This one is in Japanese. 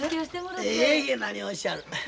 いえいえ何をおっしゃる。